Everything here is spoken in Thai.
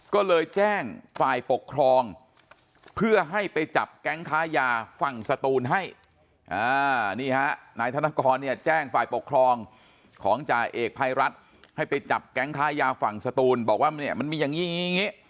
ก็เลยแจ้งฝ่ายปกครองเพื่อให้ไปจับแก๊งค้ายาฝั่งสตูนให้นี่ฮะนายธนกรเนี่ยแจ้งฝ่ายปกครองของจ่าเอกภัยรัฐให้ไปจับแก๊งค้ายาฝั่งสตูนบอกว่าเนี่ยมันมีอย่างนี้อย่างนี้